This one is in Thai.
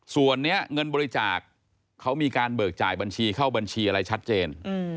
ส่วนนี้เงินบริจาคเขามีการเบิกจ่ายบัญชีเข้าบัญชีอะไรชัดเจน